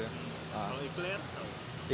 kue sus tahu ya